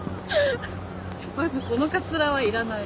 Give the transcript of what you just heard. まずこのかつらは要らない。